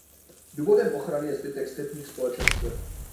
Důvodem ochrany je zbytek stepních společenstev.